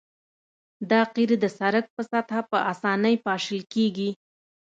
دا قیر د سرک په سطحه په اسانۍ پاشل کیږي